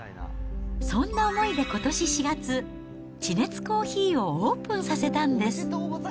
そんな思いでことし４月、地熱珈琲をオープンさせたんです。